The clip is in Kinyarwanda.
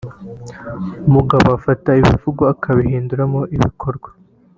umugabo ufata ibivugwa akabihinduramo ibikorwa